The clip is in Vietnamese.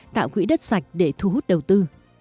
tạo quỹ đất sạch để thu hút đầu tư